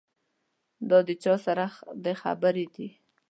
دا له چا سره دې خبرې دي.